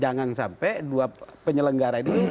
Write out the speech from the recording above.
jangan sampai dua penyelenggara ini